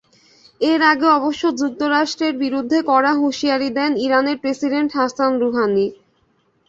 এর আগে অবশ্য যুক্তরাষ্ট্রের বিরুদ্ধে কড়া হুঁশিয়ারি দেন ইরানের প্রেসিডেন্ট হাসান রুহানি।